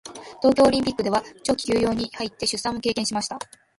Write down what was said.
東京オリンピックでは長期休養に入って出産も経験しました。